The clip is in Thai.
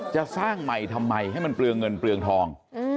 จะสร้างใหม่ทำไมให้มันเปลืองเงินเปลืองทอง